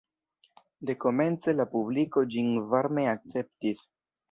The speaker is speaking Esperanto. Dekomence la publiko ĝin varme akceptis.